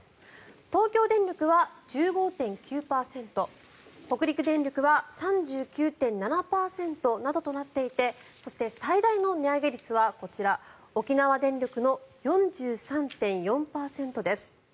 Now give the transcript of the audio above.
東京電力は１５．９％北陸電力は３９．７％などとなっていてそして、最大の値上げ率はこちら沖縄電力の４３．４％です。